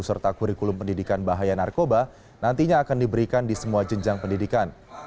serta kurikulum pendidikan bahaya narkoba nantinya akan diberikan di semua jenjang pendidikan